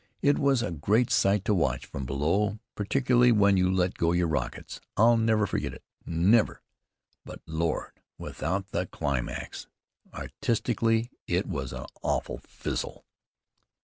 It was a great sight to watch from below, particularly when you let go your rockets. I'll never forget it, never. But, Lord! Without the climax! Artistically, it was an awful fizzle."